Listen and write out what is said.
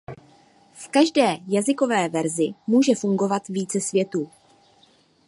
V každé jazykové verzi může fungovat více světů.